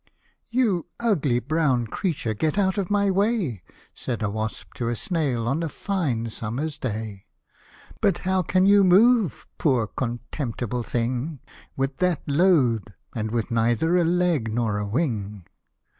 " You ugly brown creature get out of my way," Said a wasp to a snail on a fine summer's day ;" But how can you move, poor contemptible thing, With that load, and with neither a leg nor a wing.